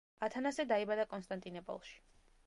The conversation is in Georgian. ათანასე დაიბადა კონსტანტინეპოლში.